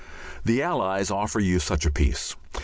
The Allies offer you such a peace.